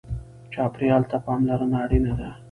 چاپېریال ته پاملرنه اړینه ده.